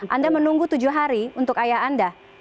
anda menunggu tujuh hari untuk ayah anda